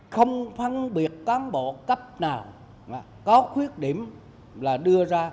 không phân biệt cán bộ cấp nào mà có khuyết điểm là đưa ra